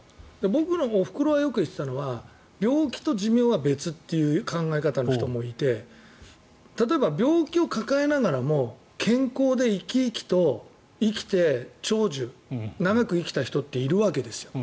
僕のおふくろがよく言っていたのは病気と寿命は別という考え方の人もいて例えば、病気を抱えながらも健康で生き生きと生きて長寿、長く生きた人っているわけですよ。